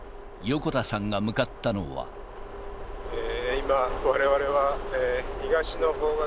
今、われわれは、東の方角、